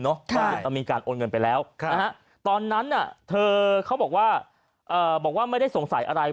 ว่ามีการโอนเงินไปแล้วตอนนั้นเธอเขาบอกว่าไม่ได้สงสัยอะไร